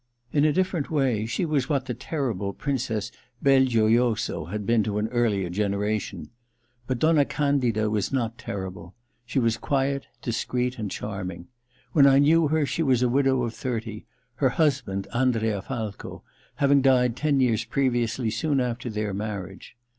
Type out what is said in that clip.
In a different way she was what the terrible Princess Belgioioso had been to an earlier generation. But Donna Candida was not terril^e. She was quiet, dis creet and charming. When I knew her she was a widow of thirty, her husband, Andrea Falco, having died ten years previously, soon after their marriage.